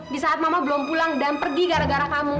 di saat mama belum pulang dan pergi gara gara kamu